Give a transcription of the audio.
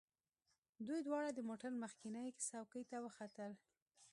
دوی دواړه د موټر مخکینۍ څوکۍ ته وختل